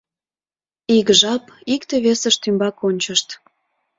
Ик жап икте-весышт ӱмбак ончышт.